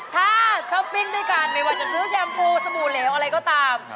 ถ้าช้อปปิ้งด้วยกันไม่ว่าจะซื้อแชมพูสบู่เหลวอะไรก็ตาม